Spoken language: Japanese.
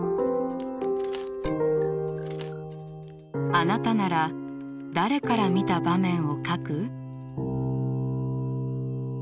あなたなら誰から見た場面を描く？